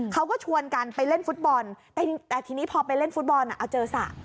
เขาก็ชวนกันไปเล่นฟุตบอลแต่ทีนี้พอไปเล่นฟุตบอลเอาเจอสระ